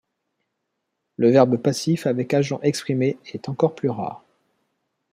Le verbe passif avec agent exprimé est encore plus rare.